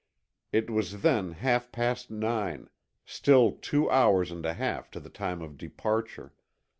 It was then half past nine; still two hours and a half to the time of departure.